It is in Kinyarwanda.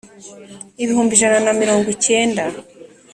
ibihumbi ijana na mirongo cyenda